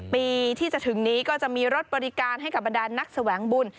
ปีที่จะถึงนี้ก็จะมีรถบริการให้กับบรรดานนักแสวงบุญ